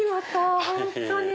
本当に。